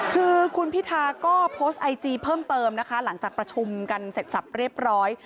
คือคุณพิธาก็โพสต์ไอจีเพิ่มเติมนะคะหลังจากประชุมกันเสร็จสับเรียบร้อย